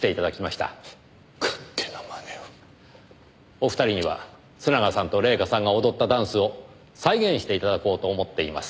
お二人には須永さんと礼夏さんが踊ったダンスを再現して頂こうと思っています。